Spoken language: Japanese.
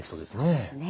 そうですね。